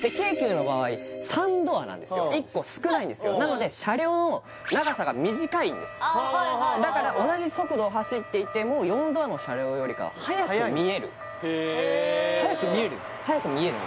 大体１個少ないんですよなので車両の長さが短いんですだから同じ速度を走っていても４ドアの車両よりかは速く見える速く見える？